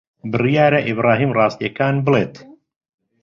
بڕیارە ئیبراهیم ڕاستییەکان بڵێت.